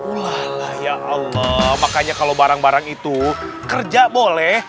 ulah ya allah makanya kalau barang barang itu kerja boleh